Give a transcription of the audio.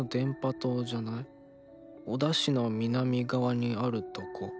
小田市の南側にあるとこ。